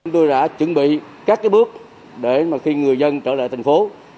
tôi đã chuẩn bị các bước để khi người dân trở lại thành phố